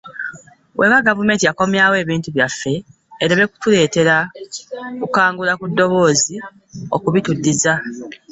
“Bw'eba gavumenti yakomyawo ebintu byaffe ereme kutuleetera kukangula ku ddoboozi okubituddiza.